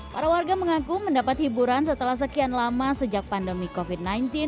para warga mengaku mendapat hiburan setelah sekian lama sejak pandemi covid sembilan belas